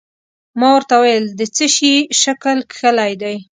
ما ورته وویل: د څه شي شکل کښلی دی؟